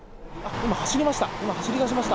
今、走りだしました。